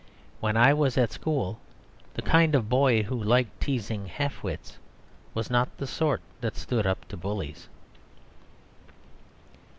When I was at school, the kind of boy who liked teasing half wits was not the sort that stood up to bullies.